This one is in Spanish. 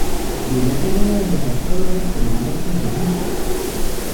Llegó a ser uno de los astrólogos predilectos de Hitler.